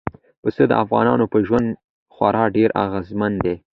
پسه د افغانانو په ژوند خورا ډېر اغېزمن دی.